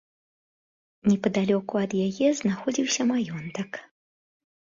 Непадалёку ад яе знаходзіўся маёнтак.